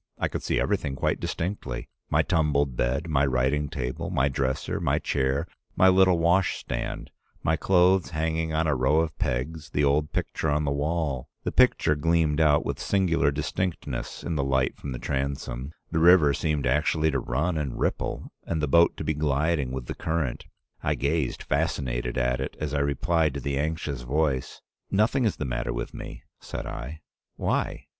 I could see everything quite distinctly — my tumbled bed, my writing table, my dresser, my chair, my little wash stand, my clothes hanging on a row of pegs, the old picture on the wall. The picture gleamed out with singular distinctness in the light from the transom. The river seemed actually to run and ripple, and the boat to be gliding with the current. I gazed fascinated at it, as I replied to the anxious voice: "'Nothing is the matter with me,' said I. 'Why?